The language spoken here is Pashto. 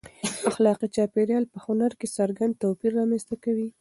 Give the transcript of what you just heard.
اخلاقي چاپېریال په هنر کې څرګند توپیر رامنځته کوي.